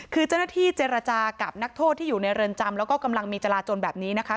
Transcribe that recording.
คือเจ้าหน้าที่เจรจากับนักโทษที่อยู่ในเรือนจำแล้วก็กำลังมีจราจนแบบนี้นะคะ